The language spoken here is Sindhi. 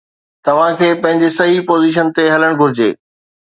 توھان کي پنھنجي صحيح پوزيشن تي ھلڻ گھرجي.